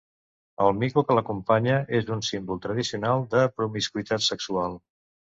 El mico que l'acompanya és un símbol tradicional de promiscuïtat sexual.